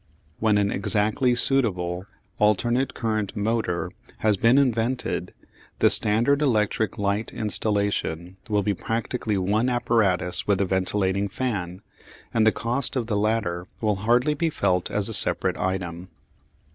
When an exactly suitable alternate current motor has been invented the standard electric light installation will be practically one apparatus with the ventilating fan, and the cost of the latter will hardly be felt as a separate item.